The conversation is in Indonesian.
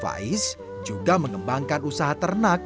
faiz juga mengembangkan usaha ternak